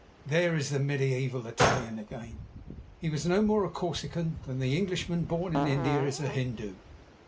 There is the mediaeval Italian again! He was no more a Corsican than the Englishman born in India is a Hindoo.